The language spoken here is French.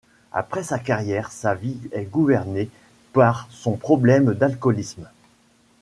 Après sa carrière, sa vie est gouvernée par son problème d'alcoolisme.